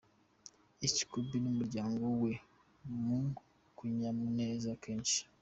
Ice Cube n’umuryango we mu kanyamuneza kenshi.